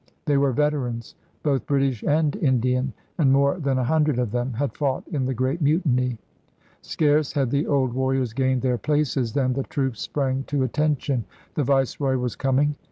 They were veterans, both British and Indian, and more than a hundred of them had fought in the Great Mutiny. Scarce had the old warriors gained their places than the troops sprang to attention: the Viceroy was coming.